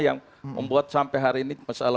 yang membuat sampai hari ini masalah